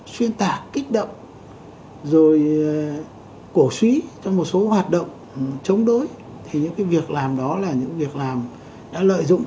xuyên tạc kích động rồi cổ suý trong một số hoạt động chống đối thì những cái việc làm đó là những việc làm đã lợi dụng